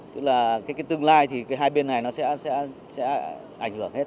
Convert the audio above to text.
tức là cái tương lai thì cái hai bên này nó sẽ ảnh hưởng hết